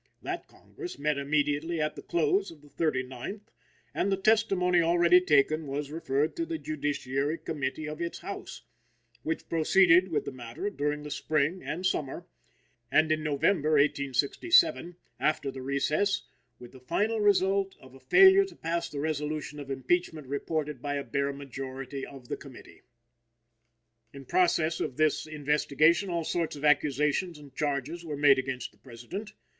That Congress met immediately at the close of the Thirty ninth, and the testimony already taken was referred to the Judiciary Committee of its House, which proceeded with the matter during the spring and summer, and in November, 1867, after the recess; with the final result of a failure to pass the resolution of impeachment reported by a bare majority of the committee. In process of this investigation all sorts of accusations and charges were made against the President.